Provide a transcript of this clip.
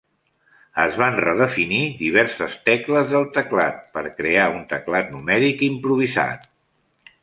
Es van redefinir diverses tecles del teclat per crear un teclat numèric improvisat.